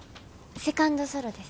セカンド・ソロです。